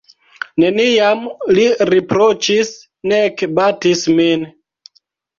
Neniam li riproĉis, nek batis min.